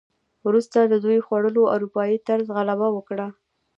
وروسته د ډوډۍ خوړلو اروپايي طرز غلبه وکړه.